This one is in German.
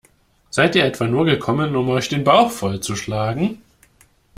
Seid ihr etwa nur gekommen, um euch den Bauch voll zu schlagen?